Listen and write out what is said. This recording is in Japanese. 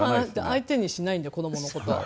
相手にしないんで子供の事を。